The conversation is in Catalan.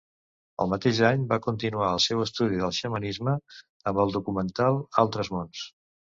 El mateix any, va continuar el seu estudi del xamanisme amb el documental "Altres mons".